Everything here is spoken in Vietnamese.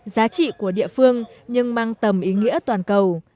giá trị của địa phương nhưng mang tầm ý nghĩa toàn cầu